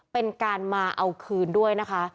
เป็นการมาเอาคืนด้วยนะคะ